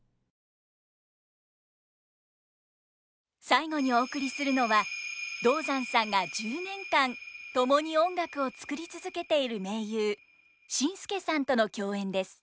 最後にお送りするのは道山さんが１０年間共に音楽を作り続けている盟友ＳＩＮＳＫＥさんとの共演です。